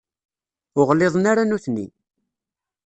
Ur ɣliḍen ara nutni.